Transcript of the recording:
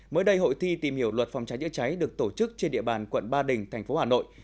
mới đây hội thi tìm hiểu luật phòng cháy chữa cháy được tổ chức trên địa bàn quận ba đình thành phố hà nội